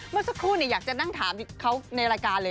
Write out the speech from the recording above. เมื่อสักครู่อยากจะนั่งถามเขาในรายการเลย